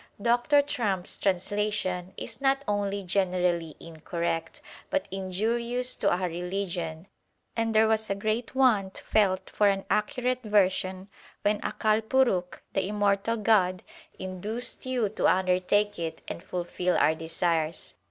Dr. Trumpp s translation is not only generally incorrect, but injurious to our religion ; and there was a great want felt for an accurate version when Akal Purukh (the Im mortal God) induced you to undertake it and fulfil our desires.